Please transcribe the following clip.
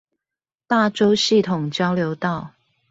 大洲系統交流道